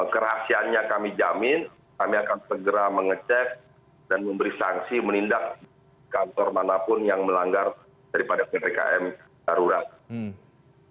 kerahasiaannya kami jamin kami akan segera mengecek dan memberi sanksi menindak kantor manapun yang melanggar daripada ppkm darurat